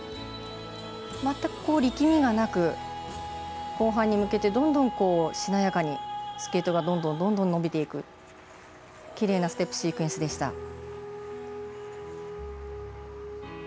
全く、力みがなく後半に向けてどんどんしなやかにスケートがどんどん、どんどん伸びていく、きれいなステップシークエンスでした。